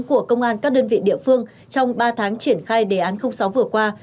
của công an các đơn vị địa phương trong ba tháng triển khai đề án sáu vừa qua